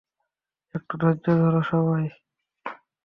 একটু ধৈর্য ধরো, সবাই।